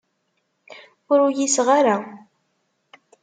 Ur uyiseɣ ara.